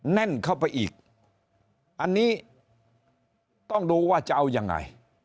แน่นเข้าไปอีกอันนี้ต้องดูว่าจะเอายังไง